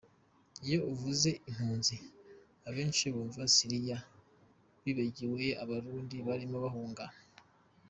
Iyo uvuze impunzi, abenshi bumva Siriya bibagiwe Abarundi barimo bahunga.